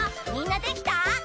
みんなできた？